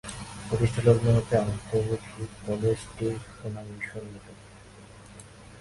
প্রতিষ্ঠালগ্ন হতে অদ্যাবধি কলেজটির সুনাম ঈর্ষান্বিত।